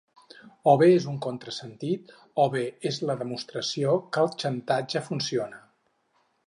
O bé és un contrasentit, o bé és la demostració que el xantatge funciona.